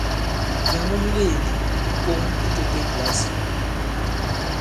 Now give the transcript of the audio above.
Nyàŋgo muleèdì ǎ koŋ itētē kìlasì.